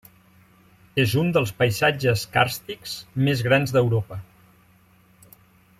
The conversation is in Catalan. És un dels paisatges càrstics més grans d'Europa.